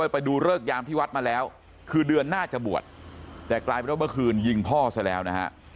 ไปดูเลิกยามที่วัดมาแล้วคือเดือนหน้าจะบวชแต่กลายเป็นว่าเมื่อคืนยิงพ่อซะแล้วนะฮะ